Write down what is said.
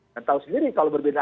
tahu sendiri kalau berbeda